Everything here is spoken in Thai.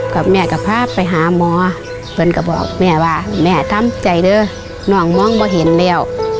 กลับแม่กับพ่อไปหาหมอผมก็บอกแม่ว่าแม่ทำใจเลยน้องมองไม่เห็นแล้ว